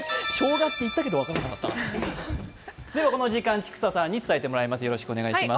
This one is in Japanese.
この時間、千種さんに伝えてもらいます。